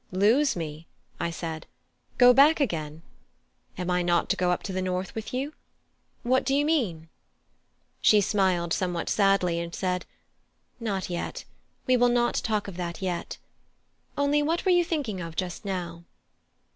"Lose me?" I said "go back again? Am I not to go up to the North with you? What do you mean?" She smiled somewhat sadly, and said: "Not yet; we will not talk of that yet. Only, what were you thinking of just now?"